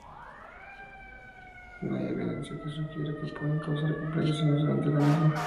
No hay evidencia que sugiera que puede causar complicaciones durante la misma.